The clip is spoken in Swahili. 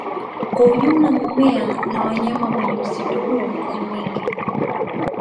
Kwa ujumla mimea na wanyama kwenye msitu huu ni mingi